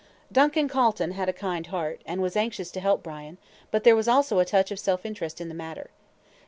Duncan Calton had a kindly heart, and was anxious to help Brian, but there was also a touch of self interest in the matter.